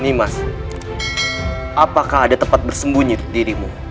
nih mas apakah ada tempat bersembunyi dirimu